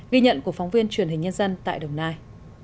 ghi nhận của phóng viên truyền hình nhân dân tại đồng nai